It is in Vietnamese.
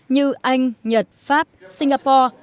như anh nhật pháp singapore